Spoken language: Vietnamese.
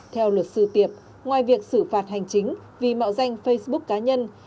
theo luật sư tiệp ngoài việc xử phạt hành chính vì mạo danh facebook cá nhân